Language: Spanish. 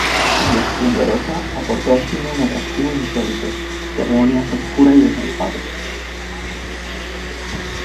Rubia esplendorosa, aportó al cine un atractivo insólito, que reunía frescura y desenfado.